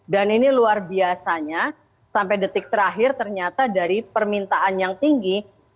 dan ini luar biasanya sampai detik terakhir ternyata dari permintaan yang tinggi